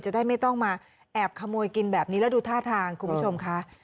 จะได้ไม่ต้องมาแอบขโมยกินแบบนี้แล้วดูท่าทางคุณผู้ชมค่ะ